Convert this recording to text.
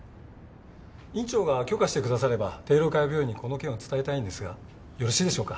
院長が許可してくだされば帝楼会病院にこの件を伝えたいんですがよろしいでしょうか？